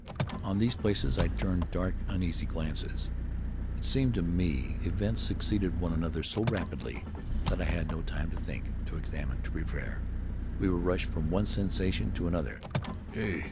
On these places I turned dark, uneasy glances. It seemed to me events succeeded one another so rapidly that I had no time to think, to examine, to prepare. We were rushed from one sensation to another.